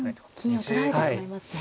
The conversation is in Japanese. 金を取られてしまいますね。